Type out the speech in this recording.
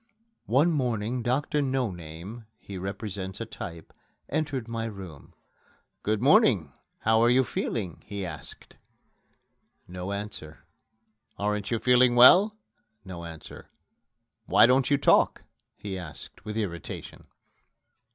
One morning Doctor No name (he represents a type) entered my room. "Good morning! How are you feeling?" he asked. No answer. "Aren't you feeling well?" No answer. "Why don't you talk?" he asked with irritation.